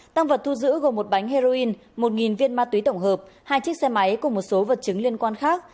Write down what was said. tăng vật thu giữ gồm một bánh heroin một viên ma túy tổng hợp hai chiếc xe máy cùng một số vật chứng liên quan khác